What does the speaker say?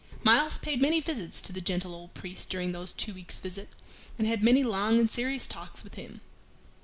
Myles paid many visits to the gentle old priest during those two weeks' visit, and had many long and serious talks with him.